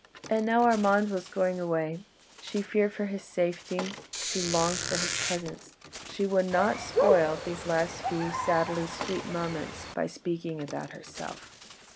And now Armand was going away; she feared for his safety, she longed for his presence. She would not spoil these last few sadly sweet moments by speaking about herself.